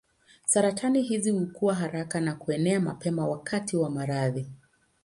Saratani hizi hukua haraka na kuenea mapema wakati wa maradhi.